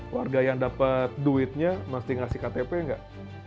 warga yang dapat duitnya mesti ngasih ktp nggak